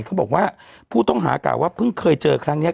เขาบอกว่าผู้ต้องหากล่าวว่าเพิ่งเคยเจอครั้งนี้